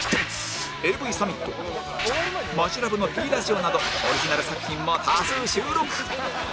ＡＶ サミットマヂラブの Ｐ ラジオなどオリジナル作品も多数収録